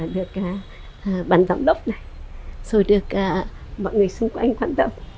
được bản giám đốc này rồi được mọi người xung quanh quan tâm